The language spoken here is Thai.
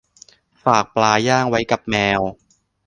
ฝากปลาย่างไว้กับแมว